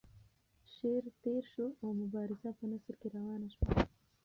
شعر تیر شو او مبارزه په نثر کې روانه شوه.